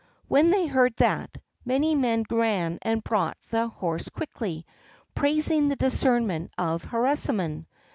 When they heard that, many men ran and brought the horse quickly, praising the discernment of Harisarman.